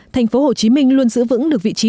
tp hcm luôn giữ vững được vị trí